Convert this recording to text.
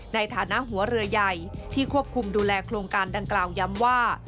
ในฐานะหัวเรือใหญ่ที่ควบคุมดูแลโครงการดังกล่าวย้ำว่า